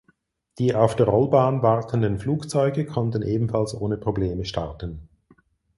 Die auf der Rollbahn wartenden Flugzeuge konnten ebenfalls ohne Probleme starten.